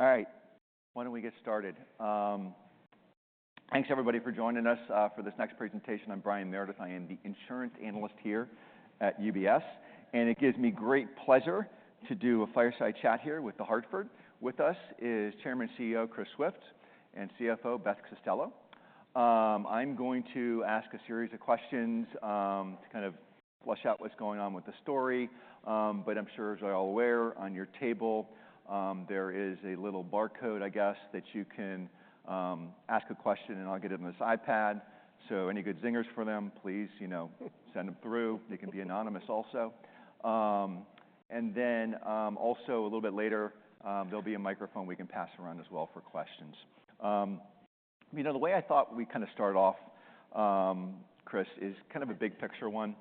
All right, why don't we get started? Thanks everybody for joining us for this next presentation. I'm Brian Meredith. I am the insurance analyst here at UBS, and it gives me great pleasure to do a fireside chat here with The Hartford. With us is Chairman and CEO, Chris Swift, and CFO, Beth Costello. I'm going to ask a series of questions to kind of flush out what's going on with the story. But I'm sure as you're all aware, on your table there is a little barcode, I guess, that you can ask a question, and I'll get it in this iPad. So any good zingers for them, please, you know, send them through. They can be anonymous also. And then also a little bit later there'll be a microphone we can pass around as well for questions. You know, the way I thought we'd kind of start off, Chris, is kind of a big picture one.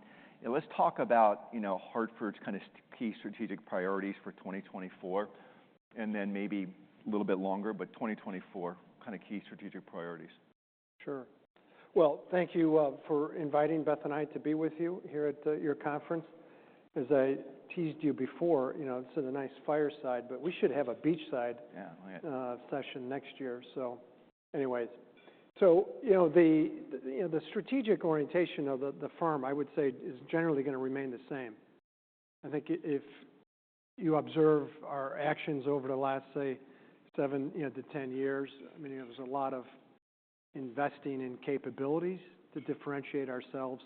Let's talk about, you know, Hartford's kind of key strategic priorities for 2024, and then maybe a little bit longer, but 2024 kind of key strategic priorities. Sure. Well, thank you for inviting Beth and I to be with you here at your conference. As I teased you before, you know, this is a nice fireside, but we should have a beachside- Yeah. Session next year. So anyways. So, you know, the strategic orientation of the firm, I would say, is generally going to remain the same. I think if you observe our actions over the last, say, seven, you know, to 10 years, I mean, there was a lot of investing in capabilities to differentiate ourselves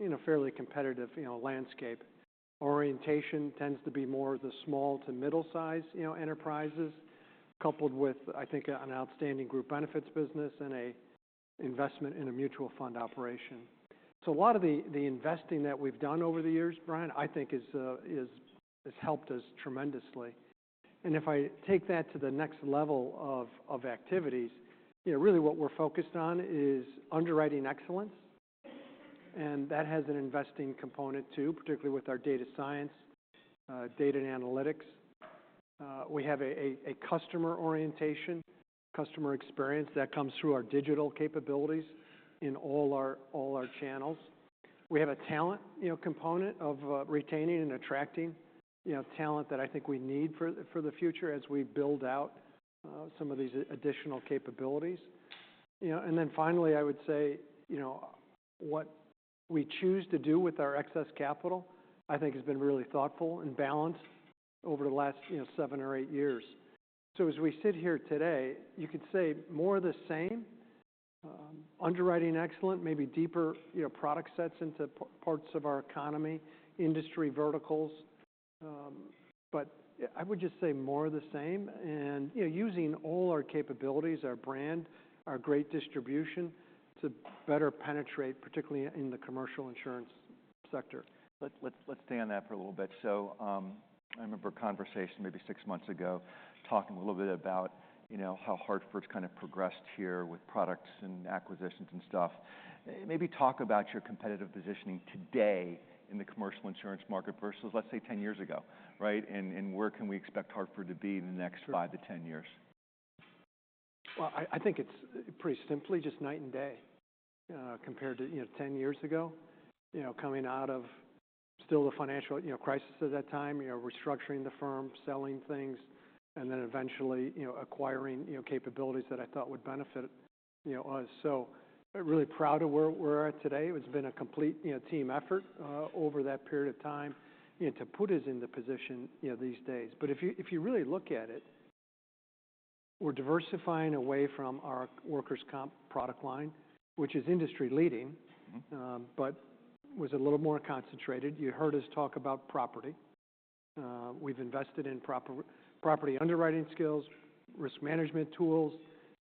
in a fairly competitive, you know, landscape. Orientation tends to be more the small to middle-size, you know, enterprises, coupled with, I think, an outstanding group benefits business and a investment in a mutual fund operation. So a lot of the investing that we've done over the years, Brian, I think has helped us tremendously. If I take that to the next level of activities, you know, really what we're focused on is underwriting excellence, and that has an investing component, too, particularly with our data science, data and analytics. We have a customer orientation, customer experience that comes through our digital capabilities in all our channels. We have a talent, you know, component of retaining and attracting, you know, talent that I think we need for the future as we build out some of these additional capabilities. You know, and then finally, I would say, you know, what we choose to do with our excess capital, I think has been really thoughtful and balanced over the last, you know, seven or eight years. So as we sit here today, you could say more of the same, underwriting excellence, maybe deeper, you know, product sets into parts of our economy, industry verticals, but I would just say more of the same. And, you know, using all our capabilities, our brand, our great distribution, to better penetrate, particularly in the commercial insurance sector. Let's, let's, let's stay on that for a little bit. So, I remember a conversation maybe six months ago, talking a little bit about, you know, how Hartford's kind of progressed here with products and acquisitions and stuff. Maybe talk about your competitive positioning today in the commercial insurance market versus, let's say, 10 years ago, right? And, and where can we expect Hartford to be in the next five to 10 years? Well, I think it's pretty simply just night and day, compared to, you know, 10 years ago, you know, coming out of still the financial, you know, crisis at that time, you know, restructuring the firm, selling things, and then eventually, you know, acquiring, you know, capabilities that I thought would benefit, you know, us. So I'm really proud of where we're at today. It's been a complete, you know, team effort, over that period of time, you know, to put us in the position, you know, these days. But if you really look at it, we're diversifying away from our workers' comp product line, which is industry-leading- Mm-hmm. but was a little more concentrated. You heard us talk about property. We've invested in property underwriting skills, risk management tools,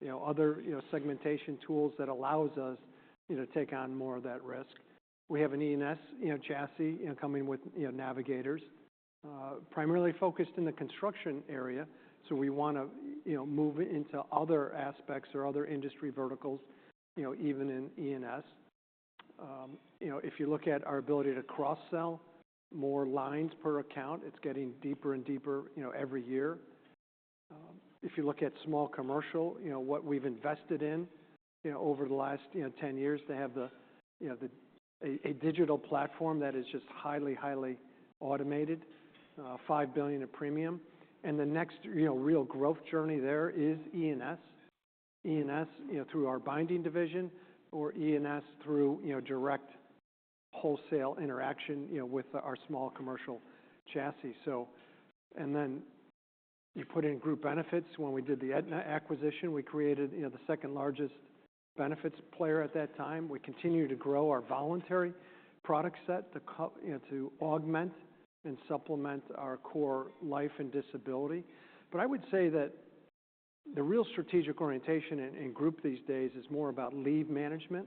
you know, other, you know, segmentation tools that allows us, you know, to take on more of that risk. We have an E&S, you know, chassis, you know, coming with, you know, Navigators, primarily focused in the construction area. So we want to, you know, move into other aspects or other industry verticals, you know, even in E&S. You know, if you look at our ability to cross-sell more lines per account, it's getting deeper and deeper, you know, every year. If you look at small commercial, you know, what we've invested in, you know, over the last, you know, 10 years to have the, you know, a digital platform that is just highly, highly automated, $5 billion in premium. The next, you know, real growth journey there is E&S. E&S, you know, through our binding division or E&S through, you know, direct wholesale interaction, you know, with our small commercial chassis. So... And then you put in group benefits. When we did the Aetna acquisition, we created, you know, the second-largest benefits player at that time. We continue to grow our voluntary product set to you know, to augment and supplement our core life and disability. But I would say that the real strategic orientation in group these days is more about leave management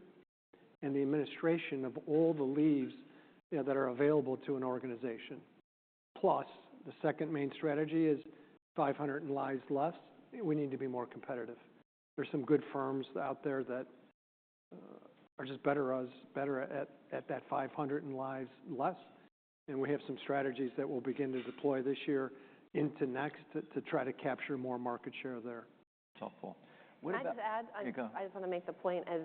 and the administration of all the leaves, you know, that are available to an organization. Plus, the second main strategy is 500 lives less. We need to be more competitive. There are some good firms out there that are just better us, better at that 500 lives less, and we have some strategies that we'll begin to deploy this year into next, to try to capture more market share there. Helpful. What about- Can I just add? Yeah, go. I just want to make the point, as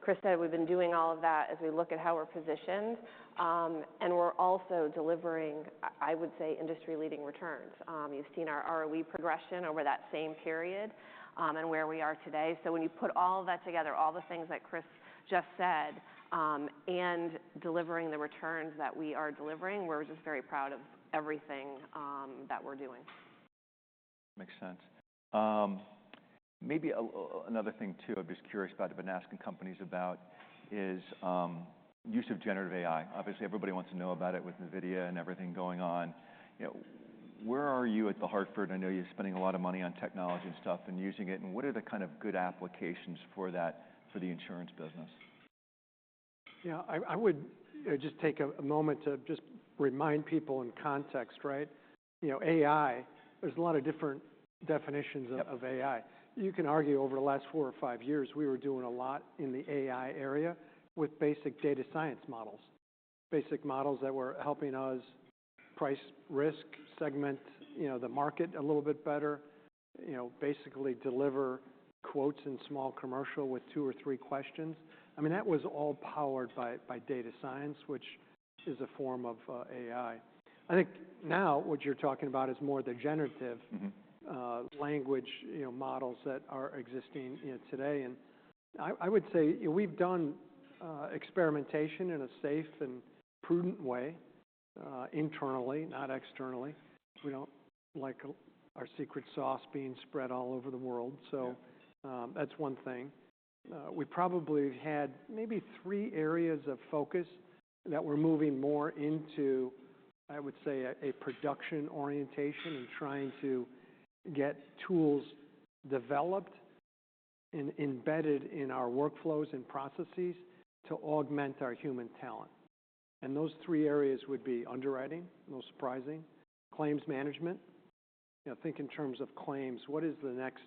Chris said, we've been doing all of that as we look at how we're positioned. And we're also delivering, I, I would say, industry-leading returns. You've seen our ROE progression over that same period, and where we are today. So when you put all of that together, all the things that Chris just said, and delivering the returns that we are delivering, we're just very proud of everything that we're doing. Makes sense. Maybe another thing too, I'm just curious about, I've been asking companies about, is use of generative AI. Obviously, everybody wants to know about it with NVIDIA and everything going on. You know, where are you at The Hartford? I know you're spending a lot of money on technology and stuff and using it, and what are the kind of good applications for that for the insurance business? Yeah, I would just take a moment to just remind people in context, right? You know, AI, there's a lot of different definitions of- Yep. Of AI. You can argue over the last four or five years, we were doing a lot in the AI area with basic data science models. Basic models that were helping us price, risk, segment, you know, the market a little bit better. You know, basically deliver quotes in small commercial with two or three questions. I mean, that was all powered by data science, which is a form of AI. I think now, what you're talking about is more the generative- Mm-hmm.... language, you know, models that are existing, you know, today. And I would say we've done experimentation in a safe and prudent way, internally, not externally. We don't like our secret sauce being spread all over the world, so- Yeah.... that's one thing. We probably had maybe three areas of focus that we're moving more into, I would say, a production orientation and trying to get tools developed and embedded in our workflows and processes to augment our human talent. And those three areas would be underwriting, no surprise, claims management. You know, think in terms of claims, what is the next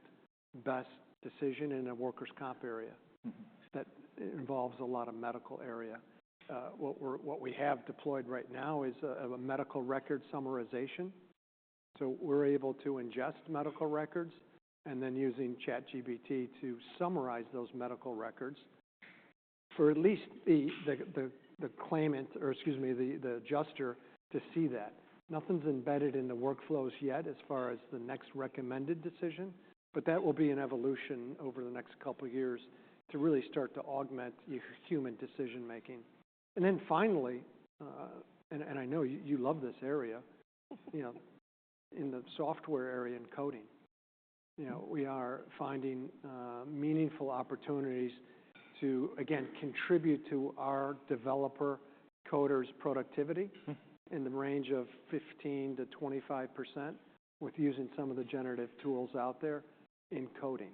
best decision in a workers' comp area? Mm-hmm. That involves a lot of medical area. What we have deployed right now is a medical record summarization, so we're able to ingest medical records, and then using ChatGPT to summarize those medical records for at least the claimant, or excuse me, the adjuster to see that. Nothing's embedded in the workflows yet, as far as the next recommended decision, but that will be an evolution over the next couple of years to really start to augment human decision-making. And then finally, I know you love this area, you know, in the software area, in coding. You know, we are finding meaningful opportunities to again contribute to our developer coders' productivity. Mm-hmm. In the range of 15%-25% with using some of the generative tools out there in coding.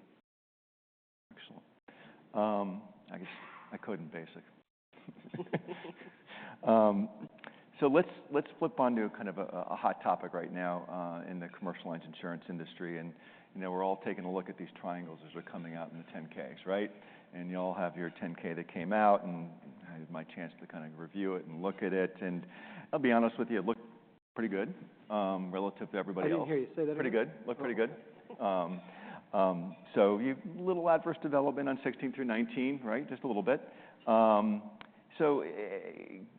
Excellent. So let's flip onto kind of a hot topic right now in the commercial lines insurance industry. You know, we're all taking a look at these triangles as we're coming out in the 10-Ks, right? You all have your 10-K that came out, and I had my chance to kind of review it and look at it. I'll be honest with you, it looked pretty good relative to everybody else. I didn't hear you say that earlier. Pretty good. Looked pretty good. So you've... Little adverse development on 2016 through 2019, right? Just a little bit. So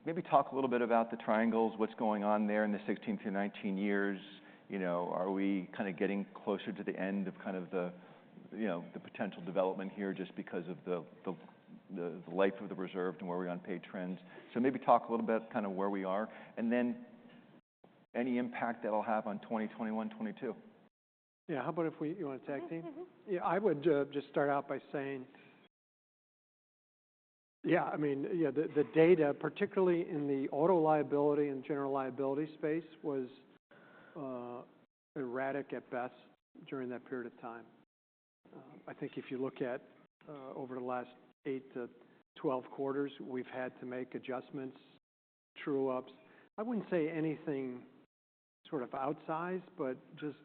maybe talk a little bit about the triangles, what's going on there in the 2016 to 2019 years. You know, are we kind of getting closer to the end of kind of the, you know, the potential development here just because of the, the life of the reserve and where we're on paid trends? So maybe talk a little bit kind of where we are, and then any impact that'll have on 2021/2022. Yeah. How about if we... You want to tag team? Mm-hmm. Yeah, I would just start out by saying, yeah, I mean, yeah, the data, particularly in the auto liability and general liability space, was erratic at best during that period of time. I think if you look at over the last eight to 12 quarters, we've had to make adjustments, true-ups. I wouldn't say anything sort of outsized, but just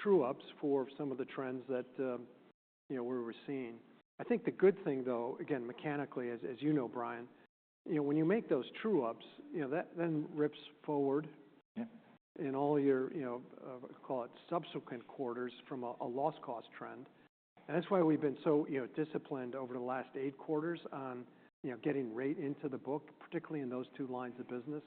true-ups for some of the trends that, you know, we were seeing. I think the good thing, though, again, mechanically, as you know, Brian, you know, when you make those true-ups, you know, that then rips forward- Yeah.... in all your, you know, call it subsequent quarters from a loss cost trend. And that's why we've been so, you know, disciplined over the last eight quarters on, you know, getting rate into the book, particularly in those two lines of business,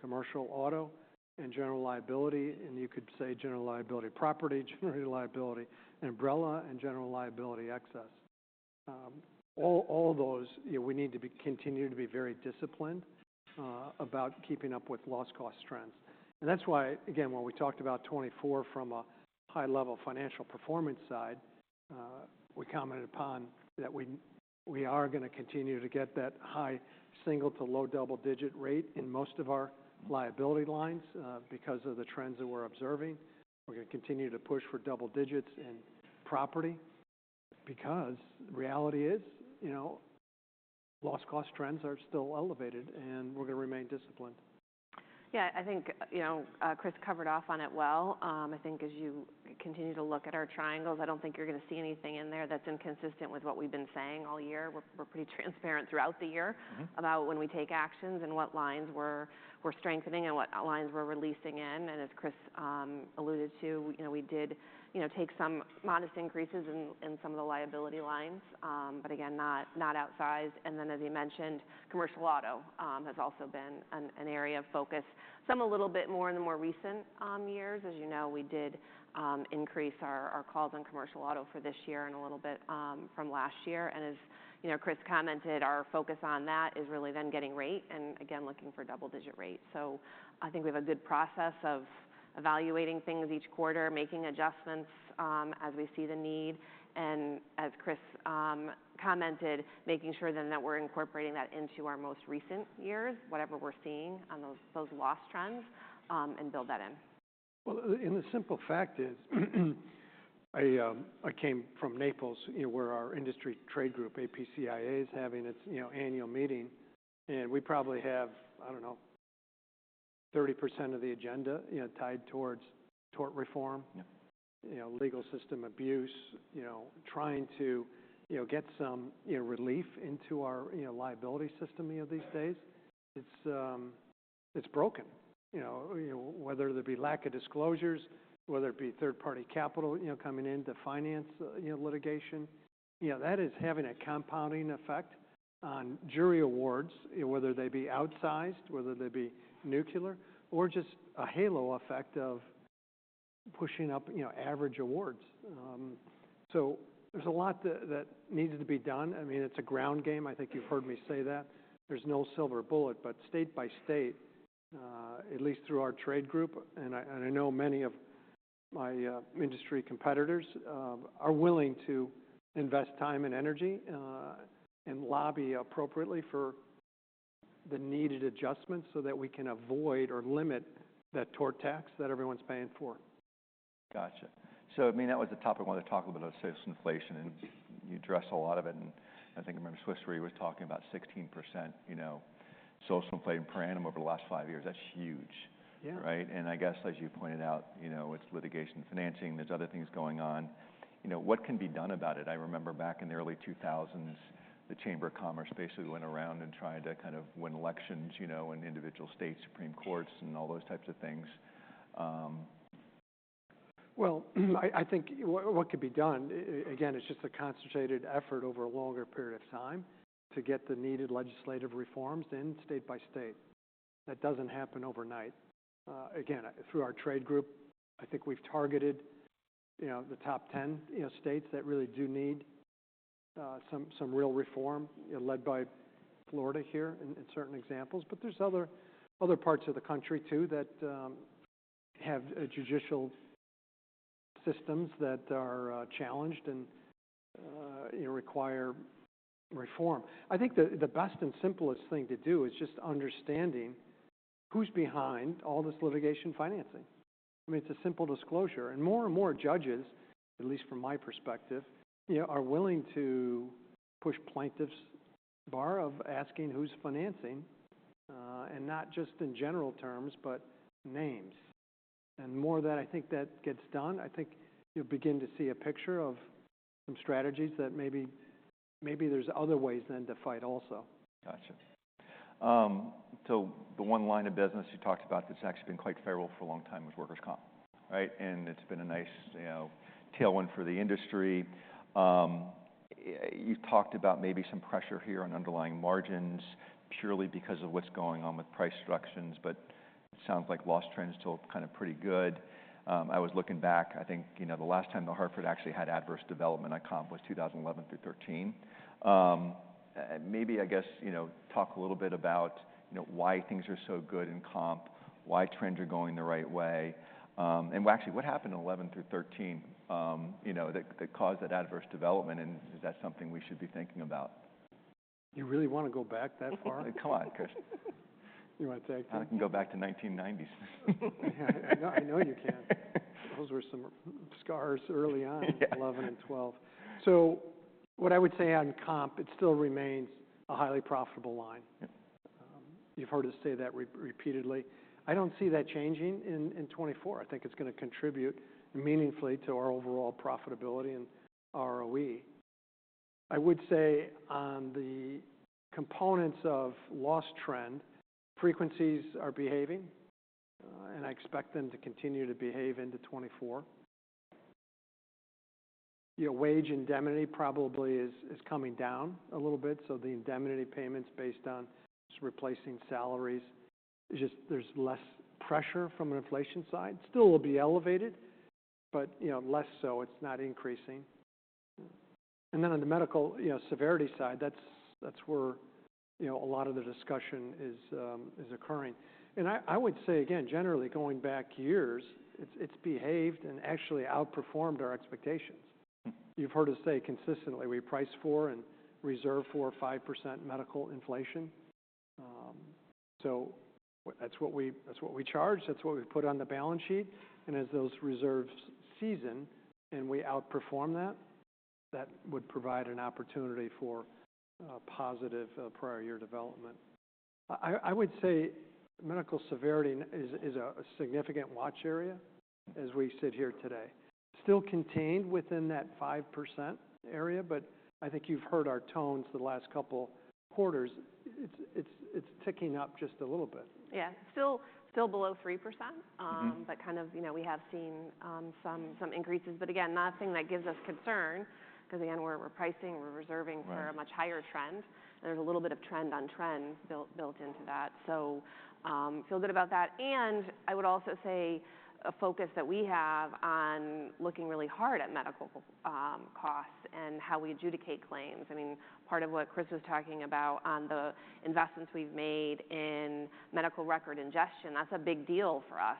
commercial auto and general liability, and you could say general liability, property liability, umbrella and general liability excess. All those, you know, we need to continue to be very disciplined about keeping up with loss cost trends. And that's why, again, when we talked about 2024 from a high level financial performance side, we commented upon that we are gonna continue to get that high single- to low double-digit rate in most of our liability lines because of the trends that we're observing. We're gonna continue to push for double digits in property because the reality is, you know, loss cost trends are still elevated, and we're gonna remain disciplined. Yeah, I think, you know, Chris covered off on it well. I think as you continue to look at our triangles, I don't think you're going to see anything in there that's inconsistent with what we've been saying all year. We're pretty transparent throughout the year- Mm-hmm. -about when we take actions and what lines we're strengthening and what lines we're releasing in. And as Chris alluded to, you know, we did, you know, take some modest increases in some of the liability lines, but again, not outsized. And then, as you mentioned, commercial auto has also been an area of focus, some a little bit more in the more recent years. As you know, we did increase our calls on commercial auto for this year and a little bit from last year. And as you know, Chris commented, our focus on that is really then getting rate and again, looking for double-digit rates. I think we have a good process of evaluating things each quarter, making adjustments, as we see the need, and as Chris commented, making sure then that we're incorporating that into our most recent years, whatever we're seeing on those loss trends, and build that in. Well, and the simple fact is, I, I came from Naples, where our industry trade group, APCIA, is having its, you know, annual meeting, and we probably have, I don't know, 30% of the agenda, you know, tied towards tort reform- Yeah. You know, legal system abuse, you know, trying to, you know, get some, you know, relief into our, you know, liability system these days. It's broken, you know. You know, whether it be lack of disclosures, whether it be third-party capital, you know, coming in to finance, you know, litigation, you know, that is having a compounding effect on jury awards, whether they be outsized, whether they be nuclear, or just a halo effect of pushing up, you know, average awards. So there's a lot that needed to be done. I mean, it's a ground game. I think you've heard me say that. There's no silver bullet, but state by state, at least through our trade group, and I, and I know many of my, industry competitors, are willing to invest time and energy, and lobby appropriately for the needed adjustments so that we can avoid or limit that tort tax that everyone's paying for. Gotcha. So, I mean, that was the topic I wanted to talk a little bit about, say, is inflation, and you address a lot of it. And I think I remember Swiss Re was talking about 16%, you know, social inflation per annum over the last five years. That's huge. Yeah. Right? And I guess as you pointed out, you know, it's litigation financing, there's other things going on. You know, what can be done about it? I remember back in the early 2000s, the Chamber of Commerce basically went around and tried to kind of win elections, you know, in individual state supreme courts and all those types of things. Well, I think what could be done, again, it's just a concentrated effort over a longer period of time to get the needed legislative reforms in state by state. That doesn't happen overnight. Again, through our trade group, I think we've targeted, you know, the top 10, you know, states that really do need some real reform, led by Florida here in certain examples. But there's other parts of the country, too, that have judicial systems that are challenged and require reform. I think the best and simplest thing to do is just understanding who's behind all this litigation financing. I mean, it's a simple disclosure, and more and more judges, at least from my perspective, you know, are willing to push plaintiff's bar of asking who's financing, and not just in general terms, but names. More that I think that gets done, I think you'll begin to see a picture of some strategies that maybe, maybe there's other ways then to fight also. Gotcha. So the one line of business you talked about that's actually been quite favorable for a long time is workers' comp, right? And it's been a nice, you know, tailwind for the industry. You talked about maybe some pressure here on underlying margins purely because of what's going on with price directions, but it sounds like loss trend is still kind of pretty good. I was looking back. I think, you know, the last time The Hartford actually had adverse development on comp was 2011 through 2013. And maybe, I guess, you know, talk a little bit about, you know, why things are so good in comp, why trends are going the right way, and actually what happened in 2011 through 2013, you know, that, that caused that adverse development, and is that something we should be thinking about? You really want to go back that far? Come on, Chris. You want to take that? I can go back to 1990s. Yeah, I know you can. Those were some scars early on- Yeah. 11 and 12. So what I would say on comp, it still remains a highly profitable line. Yeah. You've heard us say that repeatedly. I don't see that changing in 2024. I think it's gonna contribute meaningfully to our overall profitability and ROE. I would say on the components of loss trend, frequencies are behaving, and I expect them to continue to behave into 2024. Your wage indemnity probably is coming down a little bit, so the indemnity payments based on replacing salaries, just there's less pressure from an inflation side. Still will be elevated, but, you know, less so, it's not increasing. And then on the medical, you know, severity side, that's where, you know, a lot of the discussion is occurring. And I would say again, generally going back years, it's behaved and actually outperformed our expectations. Mm-hmm. You've heard us say consistently, we price for and reserve for 5% medical inflation. So that's what we, that's what we charge, that's what we put on the balance sheet, and as those reserves season, and we outperform that, that would provide an opportunity for positive prior year development. I would say medical severity is a significant watch area as we sit here today. Still contained within that 5% area, but I think you've heard our tones the last couple quarters. It's ticking up just a little bit. Yeah. Still below 3%. Mm-hmm. But kind of, you know, we have seen some increases. But again, not a thing that gives us concern, 'cause again, we're pricing, we're reserving- Right. For a much higher trend, and there's a little bit of trend on trend built into that. So, feel good about that. And I would also say a focus that we have on looking really hard at medical costs and how we adjudicate claims. I mean, part of what Chris was talking about on the investments we've made in medical record ingestion, that's a big deal for us,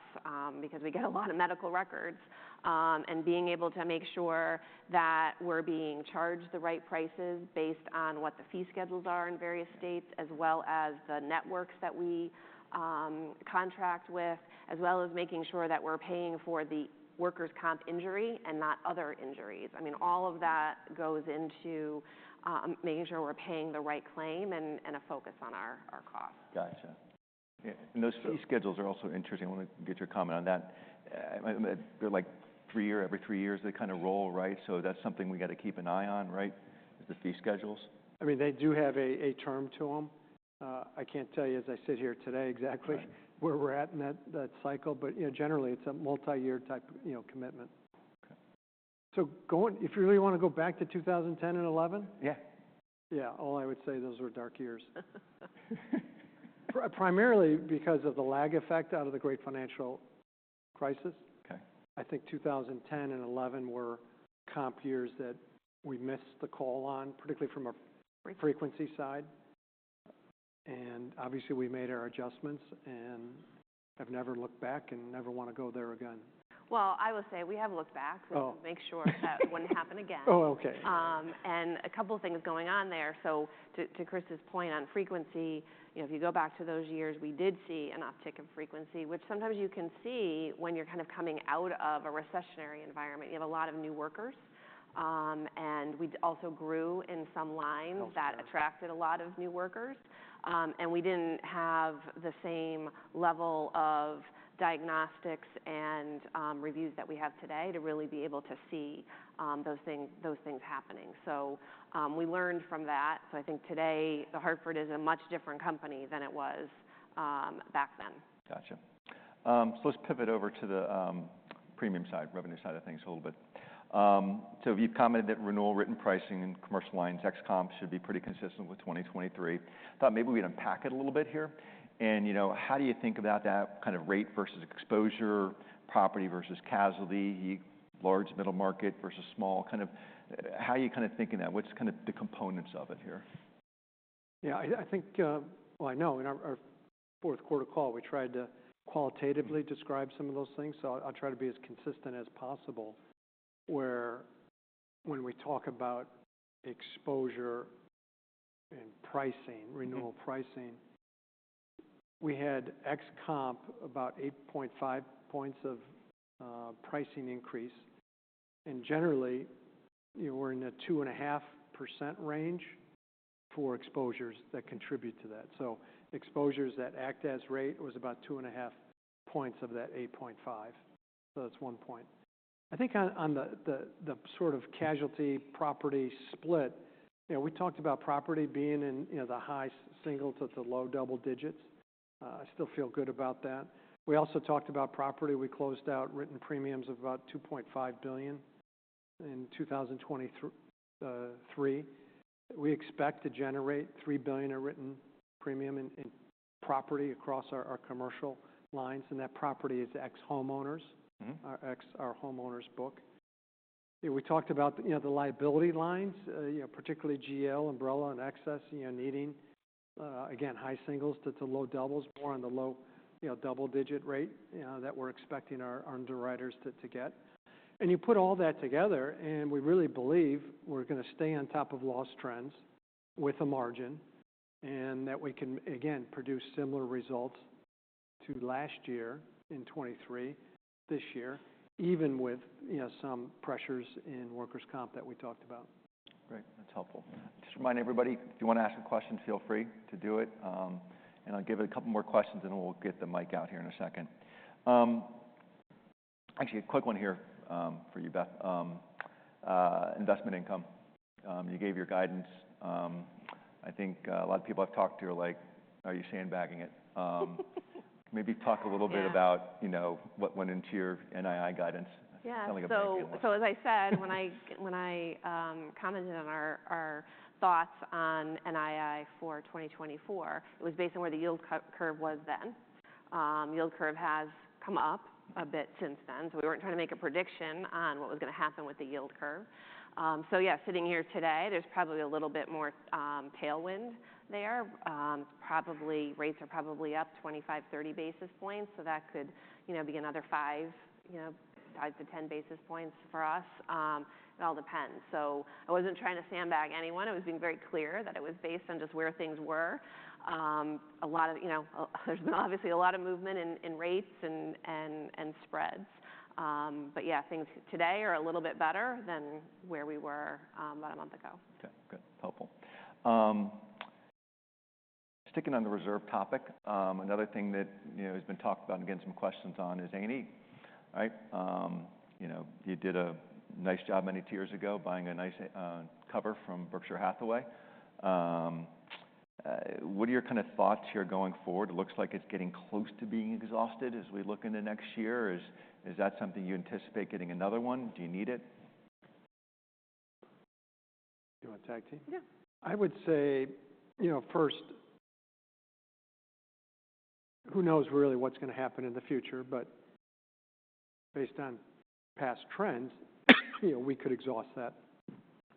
because we get a lot of medical records. And being able to make sure that we're being charged the right prices based on what the fee schedules are in various states, as well as the networks that we contract with, as well as making sure that we're paying for the workers' comp injury and not other injuries. I mean, all of that goes into making sure we're paying the right claim and a focus on our costs. Gotcha. Yeah, and those fee schedules are also interesting. I want to get your comment on that. They're like every three years, they kind of roll, right? So that's something we got to keep an eye on, right, is the fee schedules? I mean, they do have a term to them. I can't tell you as I sit here today exactly- Right.... where we're at in that cycle, but, you know, generally, it's a multi-year type, you know, commitment. Okay. If you really want to go back to 2010 and 2011? Yeah. Yeah. All I would say, those were dark years. Primarily because of the lag effect out of the great financial crisis. Okay. I think 2010 and 2011 were comp years that we missed the call on, particularly from a frequency side. Obviously, we made our adjustments and have never looked back and never want to go there again. Well, I will say we have looked back- Oh. to make sure that wouldn't happen again. Oh, okay. And a couple of things going on there. So to Chris's point on frequency, you know, if you go back to those years, we did see an uptick in frequency, which sometimes you can see when you're kind of coming out of a recessionary environment. You have a lot of new workers, and we'd also grew in some lines- Oh, sure. that attracted a lot of new workers. And we didn't have the same level of diagnostics and reviews that we have today to really be able to see those things, those things happening. So we learned from that. So I think today, The Hartford is a much different company than it was back then. Gotcha. So let's pivot over to the premium side, revenue side of things a little bit. So you've commented that renewal written pricing in commercial lines, ex-comp, should be pretty consistent with 2023. I thought maybe we'd unpack it a little bit here. You know, how do you think about that kind of rate versus exposure, property versus casualty, large middle market versus small? Kind of, how are you kind of thinking that? What's kind of the components of it here? Yeah, I think. Well, I know in our fourth quarter call, we tried to qualitatively describe some of those things, so I'll try to be as consistent as possible, where when we talk about exposure and pricing- Mm-hmm.... renewal pricing, we had ex-comp about 8.5 points of pricing increase. And generally, you were in a 2.5% range for exposures that contribute to that. So exposures that act as rate was about 2.5 points of that 8.5. So that's one point. I think on the sort of casualty property split, you know, we talked about property being in, you know, the high single- to the low double digits. I still feel good about that. We also talked about property. We closed out written premiums of about $2.5 billion in 2023. We expect to generate $3 billion in written premium in property across our commercial lines, and that property is ex homeowners- Mm-hmm.... ex our homeowners book. We talked about, you know, the liability lines, you know, particularly GL, umbrella, and excess, you know, needing, again, high singles to low doubles, more on the low, you know, double digit rate, that we're expecting our underwriters to get. And you put all that together, and we really believe we're gonna stay on top of loss trends with a margin, and that we can, again, produce similar results to last year in 2023, this year, even with, you know, some pressures in workers' comp that we talked about. Great. That's helpful. Just remind everybody, if you want to ask a question, feel free to do it. I'll give it a couple more questions, and we'll get the mic out here in a second. Actually, a quick one here, for you, Beth. Investment income, you gave your guidance. I think, a lot of people I've talked to are like: "Are you sandbagging it?" Maybe talk a little bit about- Yeah.... you know, what went into your NII guidance? Yeah. Sounds like a great idea. So as I said, when I commented on our thoughts on NII for 2024, it was based on where the yield curve was then. Yield curve has come up a bit since then, so we weren't trying to make a prediction on what was gonna happen with the yield curve. So yeah, sitting here today, there's probably a little bit more tailwind there. Probably, rates are probably up 25-30 basis points, so that could, you know, be another five, you know, 5-10 basis points for us. It all depends. So I wasn't trying to sandbag anyone. I was being very clear that it was based on just where things were. A lot of... You know, there's been obviously a lot of movement in rates and spreads. But yeah, things today are a little bit better than where we were about a month ago. Okay. Good. Helpful. Sticking on the reserve topic, another thing that, you know, has been talked about and getting some questions on is A&E, right? You know, you did a nice job many years ago buying a nice cover from Berkshire Hathaway. What are your kind of thoughts here going forward? It looks like it's getting close to being exhausted as we look into next year. Is that something you anticipate getting another one? Do you need it? Do you want to tag team? Yeah. I would say, you know, first, who knows really what's going to happen in the future, but based on past trends, you know, we could exhaust that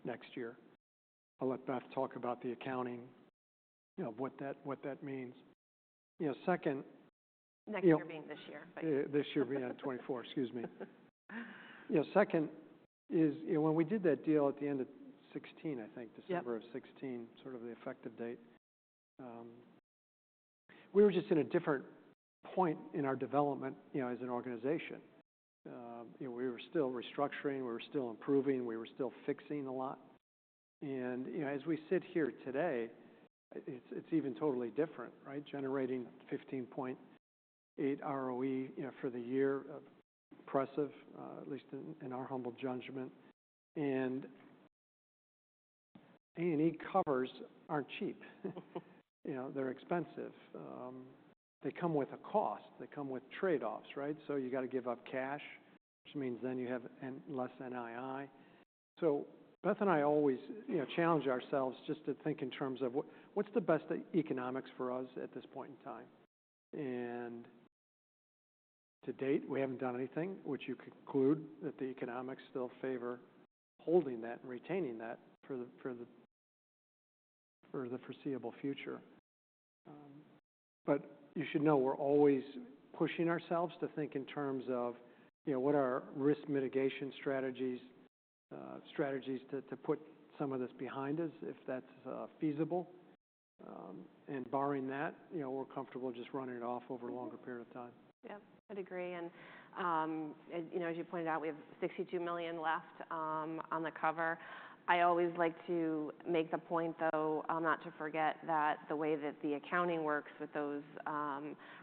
next year. I'll let Beth talk about the accounting, you know, what that, what that means. You know, second- Next year being this year. Yeah, this year being 2024. Excuse me. You know, second is, you know, when we did that deal at the end of 2016, I think- Yep. December of 2016, sort of the effective date. We were just in a different point in our development, you know, as an organization. You know, we were still restructuring, we were still improving, we were still fixing a lot. And, you know, as we sit here today, it's, it's even totally different, right? Generating 15.8 ROE, you know, for the year. Impressive, at least in, in our humble judgment. And A&E covers aren't cheap. You know, they're expensive. They come with a cost, they come with trade-offs, right? So you got to give up cash, which means then you have a less NII. So Beth and I always, you know, challenge ourselves just to think in terms of what, what's the best economics for us at this point in time? To date, we haven't done anything, which you conclude that the economics still favor holding that and retaining that for the foreseeable future. But you should know, we're always pushing ourselves to think in terms of, you know, what are our risk mitigation strategies, strategies to put some of this behind us, if that's feasible. And barring that, you know, we're comfortable just running it off over a longer period of time. Yep, I'd agree. And, and you know, as you pointed out, we have $62 million left on the cover. I always like to make the point, though, not to forget that the way that the accounting works with those,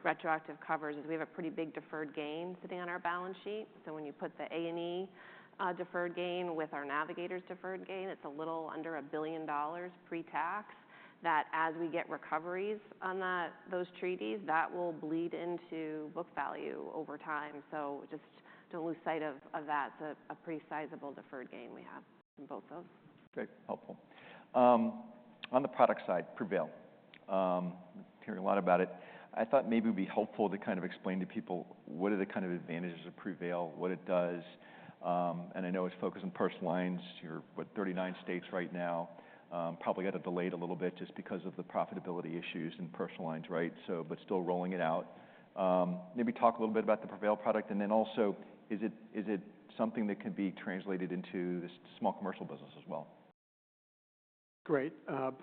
retroactive covers, is we have a pretty big deferred gain sitting on our balance sheet. So when you put the A&E, deferred gain with our Navigators' deferred gain, it's a little under $1 billion pre-tax. That as we get recoveries on that, those treaties, that will bleed into book value over time. So just don't lose sight of, of that. It's a, a pretty sizable deferred gain we have in both of those. Okay, helpful. On the product side, Prevail. Hearing a lot about it. I thought maybe it'd be helpful to kind of explain to people what are the kind of advantages of Prevail, what it does. And I know it's focused on personal lines. You're, what, 39 states right now? Probably had it delayed a little bit just because of the profitability issues in personal lines, right? So, but still rolling it out. Maybe talk a little bit about the Prevail product, and then also, is it, is it something that could be translated into the small commercial business as well? Great.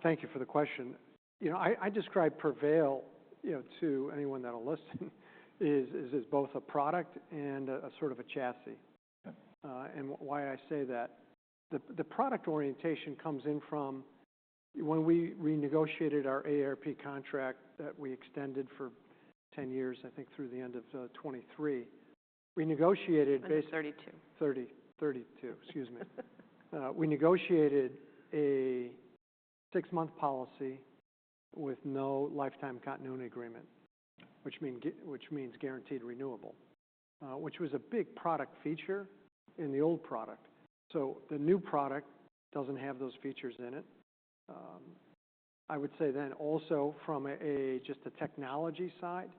Thank you for the question. You know, I describe Prevail, you know, to anyone that'll listen, is both a product and a sort of a chassis. Yeah. why I say that, the product orientation comes in from when we renegotiated our AARP contract that we extended for 10 years, I think through the end of 2023. We negotiated- Thirty-two. 30, 32. Excuse me. We negotiated a six-month policy with no lifetime continuity agreement, which means guaranteed renewable, which was a big product feature in the old product. So the new product doesn't have those features in it. I would say then also from a, just the technology side,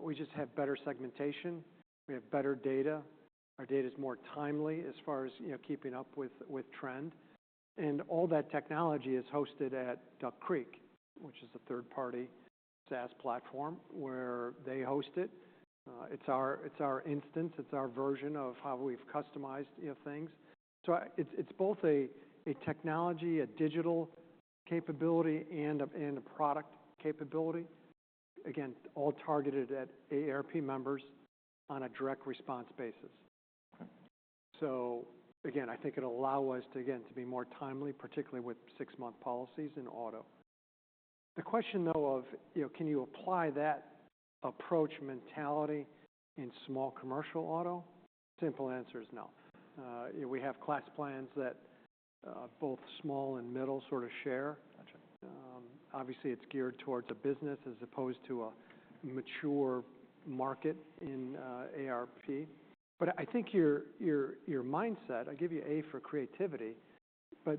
we just have better segmentation. We have better data. Our data is more timely as far as, you know, keeping up with, with trend. And all that technology is hosted at Duck Creek, which is a third-party SaaS platform where they host it. It's our instance, it's our version of how we've customized, you know, things. So it's both a technology, a digital capability, and a product capability. Again, all targeted at AARP members on a direct response basis. Okay. So again, I think it'll allow us to, again, to be more timely, particularly with six-month policies in auto. The question, though, of, you know, can you apply that approach mentality in small commercial auto? Simple answer is no. We have class plans that both small and middle sort of share. Gotcha. Obviously, it's geared towards a business as opposed to a mature market in AARP. But I think your mindset, I give you A for creativity, but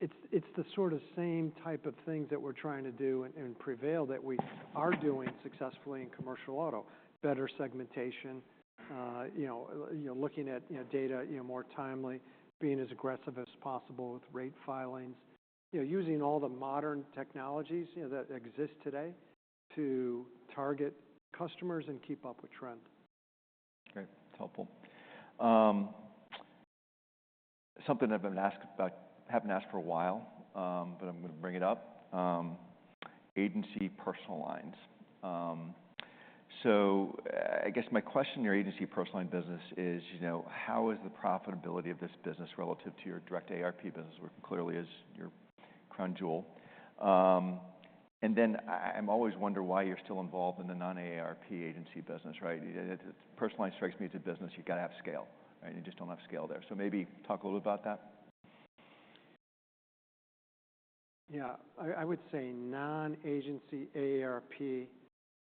it's the sort of same type of things that we're trying to do in Prevail that we are doing successfully in commercial auto. Better segmentation, you know, looking at data more timely, being as aggressive as possible with rate filings. You know, using all the modern technologies that exist today to target customers and keep up with trend. Great, that's helpful. Something I've been asked about, haven't asked for a while, but I'm going to bring it up, agency personal lines. So, I guess my question in your agency personal line business is, you know, how is the profitability of this business relative to your direct AARP business, where clearly is your crown jewel? And then I, I'm always wonder why you're still involved in the non-AARP agency business, right? It, it personally strikes me as a business you've got to have scale, right? You just don't have scale there. So maybe talk a little about that. Yeah. I would say non-agency AARP,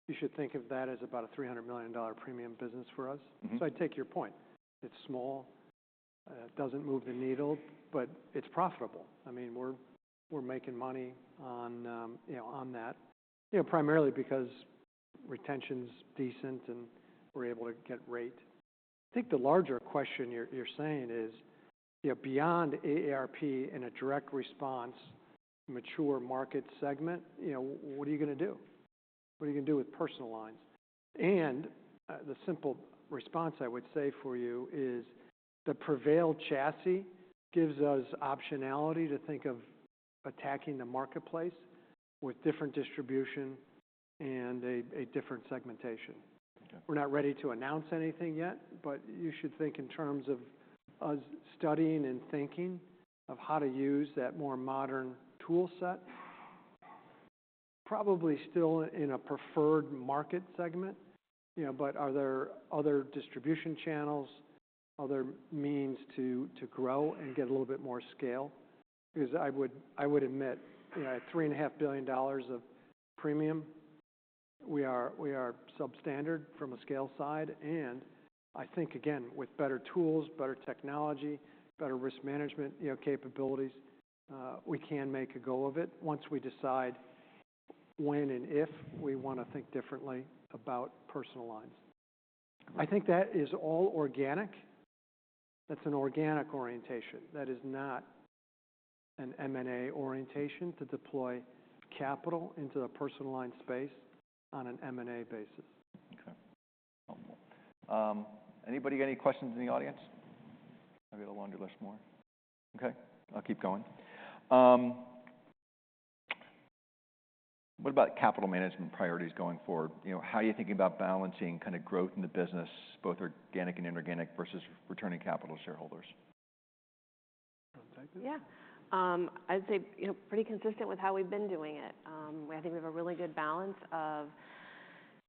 you should think of that as about a $300 million premium business for us. Mm-hmm. So I take your point. It's small, it doesn't move the needle, but it's profitable. I mean, we're making money on, you know, on that, you know, primarily because retention's decent, and we're able to get rate. I think the larger question you're saying is, you know, beyond AARP in a direct response, mature market segment, you know, what are you gonna do? What are you gonna do with personal lines? And, the simple response I would say for you is, the Prevail chassis gives us optionality to think of attacking the marketplace with different distribution and a different segmentation. Okay. We're not ready to announce anything yet, but you should think in terms of us studying and thinking of how to use that more modern tool set. Probably still in a preferred market segment, you know, but are there other distribution channels, other means to grow and get a little bit more scale? Because I would admit, you know, at $3.5 billion of premium, we are substandard from a scale side, and I think, again, with better tools, better technology, better risk management, you know, capabilities, we can make a go of it once we decide when and if we want to think differently about personal lines. I think that is all organic. That's an organic orientation. That is not an M&A orientation to deploy capital into the personal line space on an M&A basis. Okay. Anybody got any questions in the audience? I've got a laundry list more. Okay, I'll keep going. What about capital management priorities going forward? You know, how are you thinking about balancing kind of growth in the business, both organic and inorganic, versus returning capital to shareholders? You want to take this? Yeah. I'd say, you know, pretty consistent with how we've been doing it. I think we have a really good balance of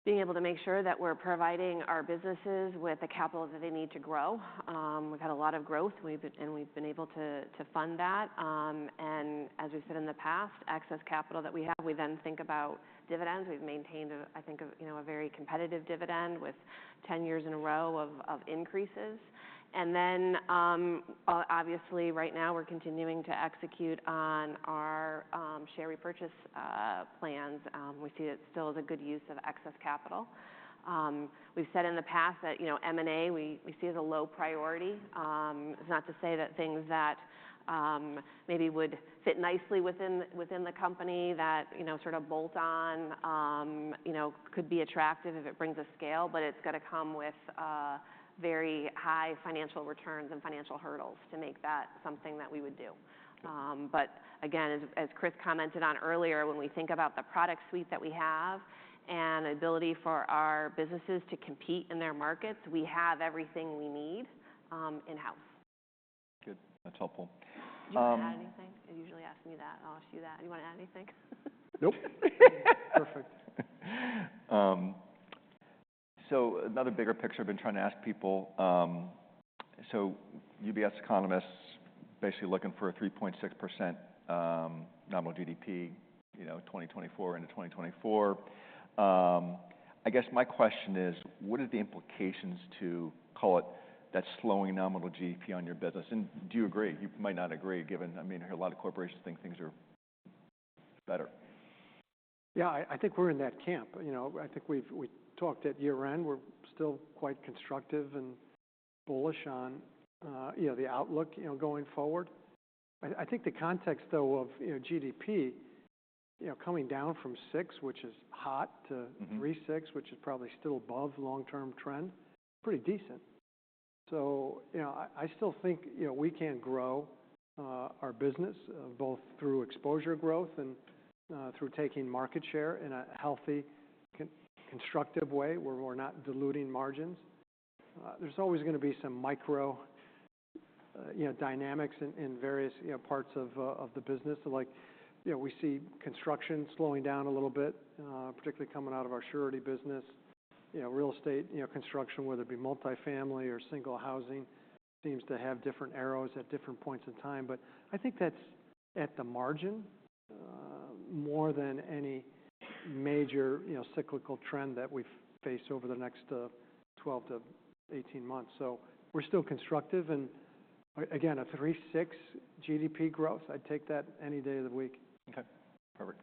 being able to make sure that we're providing our businesses with the capital that they need to grow. We've had a lot of growth, and we've been able to fund that. And as we've said in the past, excess capital that we have, we then think about dividends. We've maintained, I think, a very competitive dividend with 10 years in a row of increases. And then, obviously, right now, we're continuing to execute on our share repurchase plans. We see it still as a good use of excess capital. We've said in the past that, you know, M&A, we see as a low priority. It's not to say that things that maybe would fit nicely within the company that, you know, sort of bolt on, you know, could be attractive if it brings a scale, but it's got to come with very high financial returns and financial hurdles to make that something that we would do. Okay. But again, as Chris commented on earlier, when we think about the product suite that we have and the ability for our businesses to compete in their markets, we have everything we need in-house. Good. That's helpful. Do you want to add anything? He usually asks me that. I'll ask you that. You want to add anything? Nope. Perfect. So another bigger picture I've been trying to ask people. So UBS economists basically looking for a 3.6% nominal GDP, you know, 2024 into 2024. I guess my question is: what are the implications to, call it, that slowing nominal GDP on your business? And do you agree? You might not agree, given, I mean, a lot of corporations think things are better. Yeah, I think we're in that camp. You know, I think we've talked at year-end, we're still quite constructive and bullish on, you know, the outlook, you know, going forward. I think the context, though, of, you know, GDP, you know, coming down from six, which is hot, to- Mm-hmm.... 3.6, which is probably still above long-term trend, pretty decent. So, you know, I still think, you know, we can grow our business both through exposure growth and through taking market share in a healthy, constructive way, where we're not diluting margins. There's always gonna be some micro, you know, dynamics in various, you know, parts of the business. So like, you know, we see construction slowing down a little bit, particularly coming out of our surety business. You know, real estate, you know, construction, whether it be multifamily or single housing, seems to have different arrows at different points in time. But I think that's at the margin, more than any major, you know, cyclical trend that we face over the next 12-18 months. We're still constructive, and again, a 3.6% GDP growth, I'd take that any day of the week. Okay, perfect.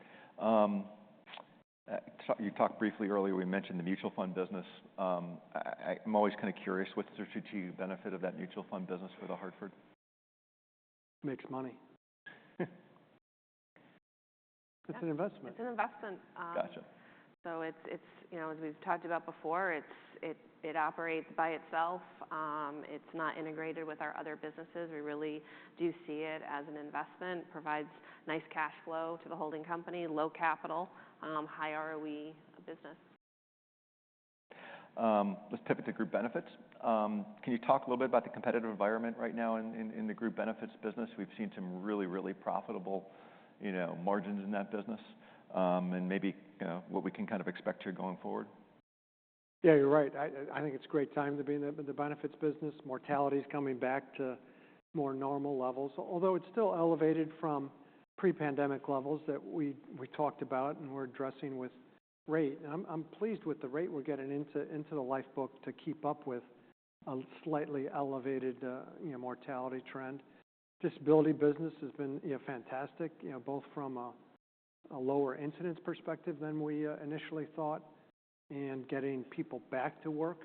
So you talked briefly earlier, we mentioned the mutual fund business. I'm always kind of curious, what's the strategic benefit of that mutual fund business for The Hartford? Makes money. It's an investment. It's an investment. Gotcha. So it's, you know, as we've talked about before, it operates by itself. It's not integrated with our other businesses. We really do see it as an investment, provides nice cash flow to the holding company, low capital, high ROE business. Let's pivot to group benefits. Can you talk a little bit about the competitive environment right now in the group benefits business? We've seen some really, really profitable, you know, margins in that business, and maybe, you know, what we can kind of expect here going forward. Yeah, you're right. I think it's a great time to be in the benefits business. Mortality is coming back to more normal levels, although it's still elevated from pre-pandemic levels that we talked about and we're addressing with rate. I'm pleased with the rate we're getting into the life book to keep up with a slightly elevated, you know, mortality trend. Disability business has been, you know, fantastic, you know, both from a lower incidence perspective than we initially thought, and getting people back to work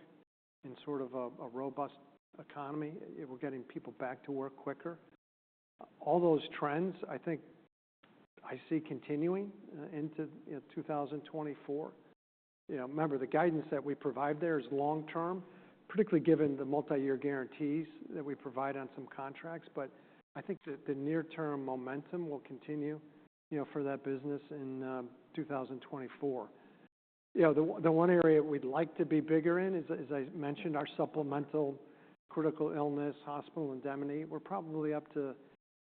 in sort of a robust economy. We're getting people back to work quicker. All those trends, I think I see continuing, you know, into 2024. You know, remember, the guidance that we provide there is long term, particularly given the multi-year guarantees that we provide on some contracts, but I think that the near-term momentum will continue, you know, for that business in 2024. You know, the one area we'd like to be bigger in is, as I mentioned, our supplemental critical illness, hospital indemnity. We're probably up to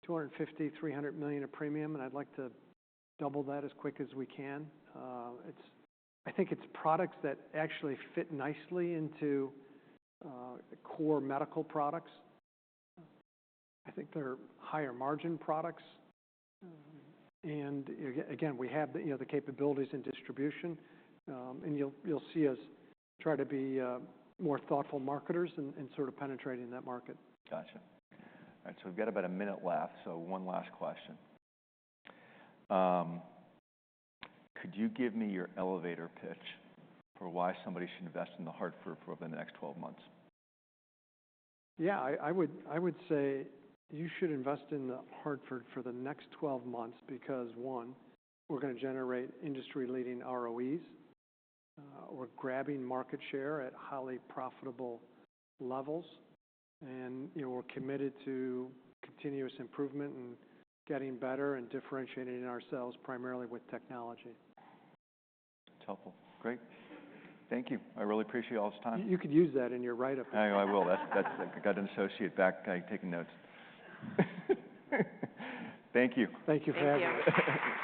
$250 million-$300 million in premium, and I'd like to double that as quick as we can. It's—I think it's products that actually fit nicely into core medical products. I think they're higher margin products, and again, we have the you know the capabilities and distribution, and you'll see us try to be more thoughtful marketers and sort of penetrating that market. Gotcha. All right, so we've got about a minute left, so one last question. Could you give me your elevator pitch for why somebody should invest in The Hartford for over the next 12 months? Yeah, I would say you should invest in The Hartford for the next 12 months because, one, we're gonna generate industry-leading ROEs. We're grabbing market share at highly profitable levels, and, you know, we're committed to continuous improvement and getting better and differentiating ourselves primarily with technology. That's helpful. Great. Thank you. I really appreciate all this time. You could use that in your write-up. I know. I will. That's... I got an associate back taking notes. Thank you. Thank you for having me. Thank you.